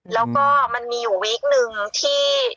แล้วก็มันมีอยู่วีคนึงที่